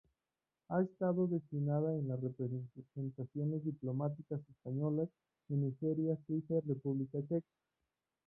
Ha estado destinada en las representaciones diplomáticas españolas en Nigeria, Suiza y República Checa.